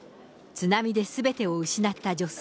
津波ですべてを失った女性。